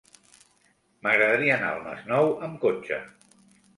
M'agradaria anar al Masnou amb cotxe.